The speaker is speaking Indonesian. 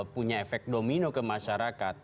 punya efek domino ke masyarakat